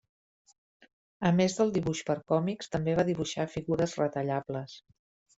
A més del dibuix per còmics també va dibuixar figures retallables.